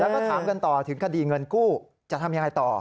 แล้วก็ถามกันต่อถึงคดีเงินกู้จะทำยังไงต่อ